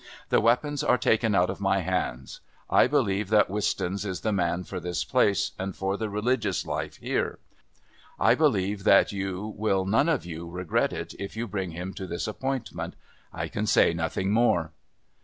The weapons are taken out of my hands. I believe that Wistons is the man for this place and for the religious life here. I believe that you will none of you regret it if you bring him to this appointment. I can say nothing more."